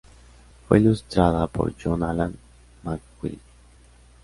Fue ilustrada por John Alan Maxwell.